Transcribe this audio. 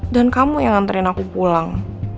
dan kamu yang nganterin aku pulang